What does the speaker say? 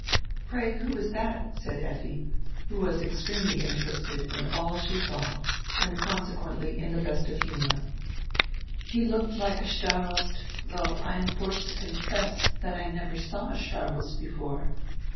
"Pray, who was that?" said Effi, who was extremely interested in all she saw and consequendy in die best of humor. "He looked like a starost, diough I am forced to confess I never saw a starost before."